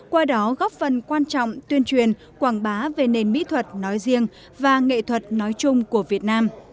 qua đó góp phần quan trọng tuyên truyền quảng bá về nền mỹ thuật nói riêng và nghệ thuật nói chung của việt nam